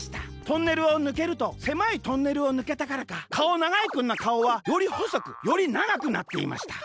トンネルをぬけるとせまいトンネルをぬけたからかかおながいくんのかおはよりほそくよりながくなっていました。